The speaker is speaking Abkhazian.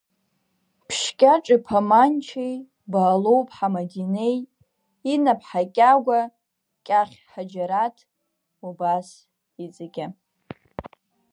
Ԥшькьаҿ-иԥа Манчеи Баалоу-ԥҳа Мадинеи, Инаԥҳа Кьагәа, Кьахь Ҳаџьараҭ, убас иҵегьы.